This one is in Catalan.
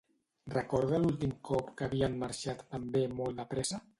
Recorda l'últim cop que havien marxat també molt de pressa?